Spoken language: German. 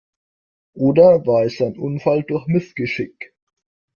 Oder war es ein Unfall durch Missgeschick?